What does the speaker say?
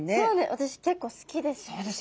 私結構好きです。